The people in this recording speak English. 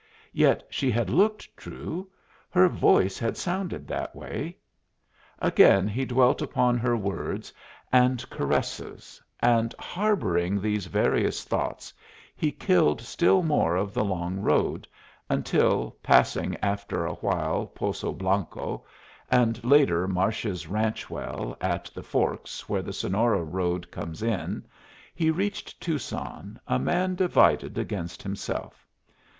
Yet she had looked true; her voice had sounded that way. Again he dwelt upon her words and caresses; and harboring these various thoughts, he killed still more of the long road, until, passing after awhile Poso Blanco, and later Marsh's ranch well at the forks where the Sonora road comes in, he reached Tucson a man divided against himself.